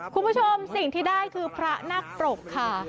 คุณผู้ชมสิ่งที่ได้คือพระนักปรกค่ะ